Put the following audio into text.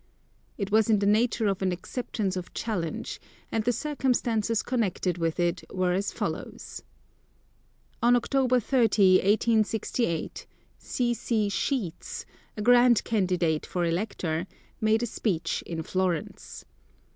It was in the nature of an acceptance of challenge, and the circumstances connected with it were as follows: On October 30, 1868, C. C. Sheets, a Grant candidate for elector, made a speech in Florence.